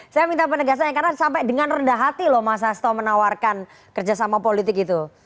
saya minta penegasannya karena sampai dengan rendah hati loh mas hasto menawarkan kerjasama politik itu